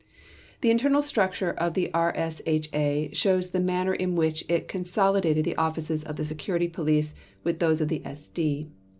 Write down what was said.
The internal structure of the RSHA shows the manner in which it consolidated the offices of the Security Police with those of the SD.